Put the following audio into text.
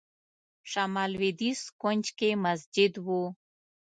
شمال لوېدیځ کونج کې مسجد و.